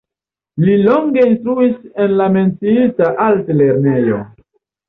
Li longe instruis en la menciita altlernejo.